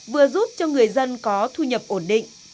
vừa giúp cho người dân có thu nhập ổn định